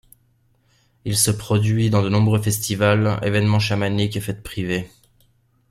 Il se produit dans de nombreux festivals, événements chamaniques et fêtes privées.